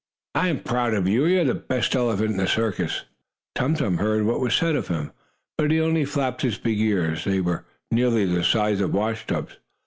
"I am proud of you. You are the best elephant in the circus." Tum Tum heard what was said of him, but he only flapped his big ears, that were nearly the size of washtubs.